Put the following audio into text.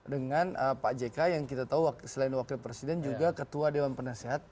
dengan pak jk yang kita tahu selain wakil presiden juga ketua dewan penasehat